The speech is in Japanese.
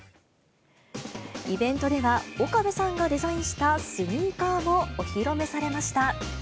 イベントでは、岡部さんがデザインしたスニーカーもお披露目されました。